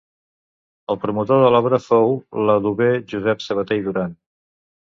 El promotor de l'obra fou l'adober Josep Sabater i Duran.